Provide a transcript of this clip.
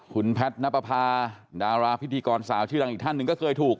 คุณแพทย์นับประพาดาราพิธีกรสาวชื่อดังอีกท่านหนึ่งก็เคยถูก